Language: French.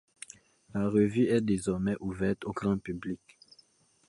La revue est désormais ouverte au grand public.